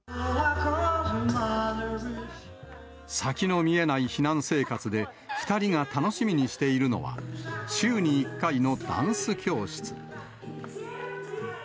先の見えない避難生活で、２人が楽しみにしているのは、週に１回のダンス教室。